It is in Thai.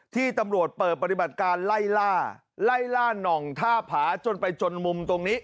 ที่ตำรวจเปิดปฏิบัติการไล่ล่าไล่ล่าน่องท่าผาจนไปจนมุมตรงนี้